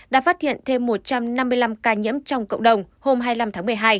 đã phát hiện thêm một trăm năm mươi năm ca nhiễm trong cộng đồng hôm hai mươi năm tháng một mươi hai